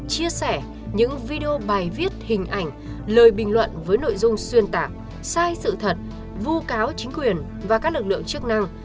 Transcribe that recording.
chia sẻ những video bài viết hình ảnh lời bình luận với nội dung xuyên tạc sai sự thật vu cáo chính quyền và các lực lượng chức năng